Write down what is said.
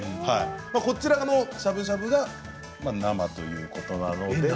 こちらのしゃぶしゃぶが生ということなので。